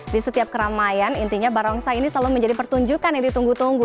di setiap keramaian intinya barongsai ini selalu menjadi pertunjukan yang ditunggu tunggu